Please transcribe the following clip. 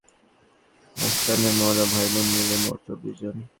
সান্থানামরা ভাই-বোন মিলে মোট চব্বিশ জন।